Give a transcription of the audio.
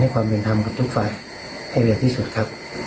ให้เดือดที่สุดครับ